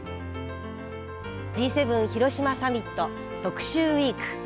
Ｇ７広島サミット特集ウイーク